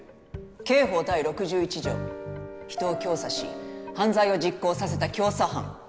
刑法第６１条人を教唆し犯罪を実行させた教唆犯。